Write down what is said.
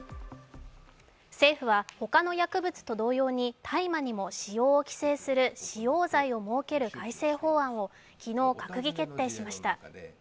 政府は、他の薬物と同様に大麻にも使用を規制する使用罪を設ける改正法案を昨日閣議決定しました。